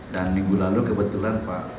dan minggu lalu kebetulan pak